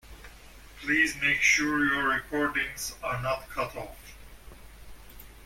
Please make sure your recordings are not cut off.